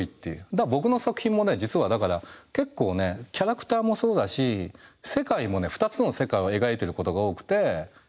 だから僕の作品もね実はだから結構ねキャラクターもそうだし世界もね２つの世界を描いていることが多くて。